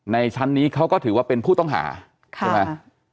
ชั้นนี้เขาก็ถือว่าเป็นผู้ต้องหาใช่ไหม